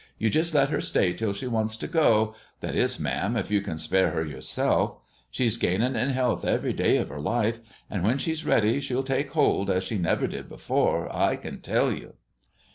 You jest let her stay till she wants to go, that is, ma'am, if you can spare her yourself. She's gainin' in health every day of her life, and when she's ready she'll take hold as she never did before, I can tell you."